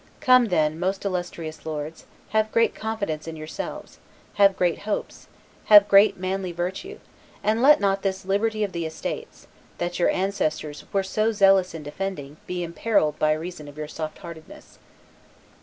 Come, then, most illustrious lords, have great confidence in yourselves, have great hopes, have great manly virtue, and let not this liberty of the estates, that your ancestors were so zealous in defending, be imperilled by reason of your soft heartedness."